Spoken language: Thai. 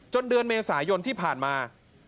เดือนเมษายนที่ผ่านมา